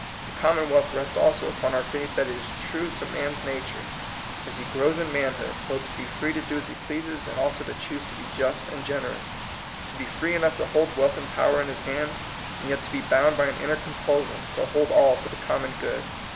The commonwealth rests also upon our faith that it is true to man's nature, as he grows in manhood, lloth to be free to do as he pleases, and also to choose to be just and generous; to be free enough to hold wealth and power in his hands, and yet to be bound by an inner compulsion to hold all for the common good.